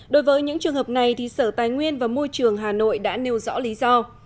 đối với những trường hợp này thì sở tài nguyên và môi trường hà nội đã nêu rõ lý do